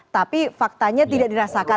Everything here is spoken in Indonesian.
tapi faktanya tidak dirasakan